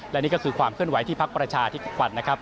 และนี่ก็คือความเคลื่อนไหวที่ภักดิ์ประชาที่ขวัดนะครับ